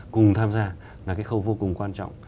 cùng tham gia là cái khâu vô cùng quan trọng